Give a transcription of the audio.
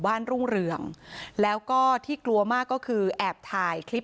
รุ่งเรืองแล้วก็ที่กลัวมากก็คือแอบถ่ายคลิป